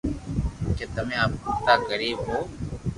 ڪي تمي ايتا غريب ھون